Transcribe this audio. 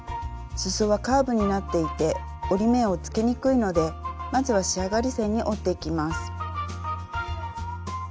すそはカーブになっていて折り目をつけにくいのでまずは仕上がり線に折っていきます。